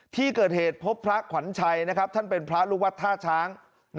ที่เกิดเหตุพบพระขวัญชัยท่านเป็นพระลูกวัดท่าช้าง